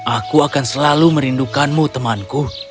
aku akan selalu merindukanmu temanku